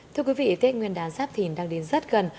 thưa quý vị tết nguyên đán giáp thìn đang đến rất gần